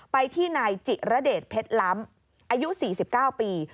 ไปที่นายจิระเดชเพชรล้ำอายุ๔๙ปี